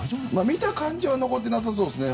見た感じは残ってなさそうですね。